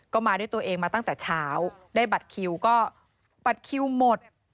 ก็มาด้วยตัวเองมาตั้งแต่เช้าได้บัตรคิวก็บัตรคิวหมด